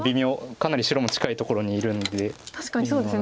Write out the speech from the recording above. かなり白も近いところにいるんで微妙なんですが。